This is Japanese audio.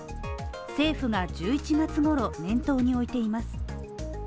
政府が１１月ごろ、念頭に置いています。